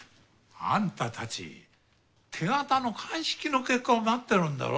アンタたち手形の鑑識の結果を待ってるんだろ。